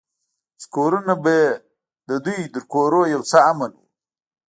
چې کورونه به يې د دوى تر کورونو يو څه امن وو.